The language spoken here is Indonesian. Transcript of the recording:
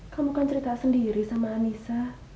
kamu kan cerita sendiri sama anissa